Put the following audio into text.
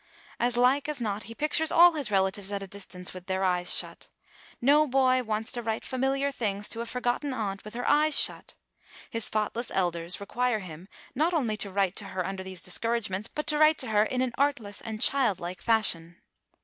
As like as not he pictures all his relatives at a distance with their eyes shut. No boy wants to write familiar things to a forgotten aunt with her eyes shut. His thoughtless elders require him not only to write to her under these discouragements, but to write to her in an artless and childlike fashion.